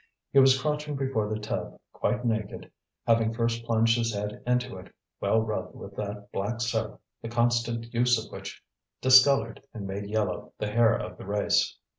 He was crouching before the tub quite naked, having first plunged his head into it, well rubbed with that black soap the constant use of which discoloured and made yellow the hair of the race.